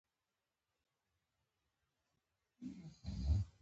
سر دي لکه پټاټه